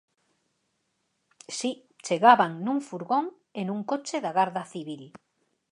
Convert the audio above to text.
Si, chegaban nun furgón e nun coche da Garda Civil.